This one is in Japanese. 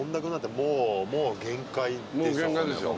もう限界でしょ